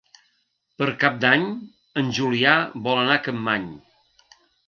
Per Cap d'Any en Julià vol anar a Capmany.